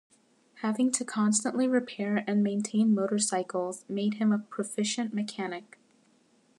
Having to constantly repair and maintain motorcycles made him a proficient mechanic.